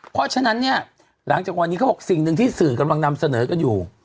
เพราะฉะนั้นเนี่ยหลังจากวันนี้เขาบอกสิ่งหนึ่งที่สื่อกำลังนำเสนอกันอยู่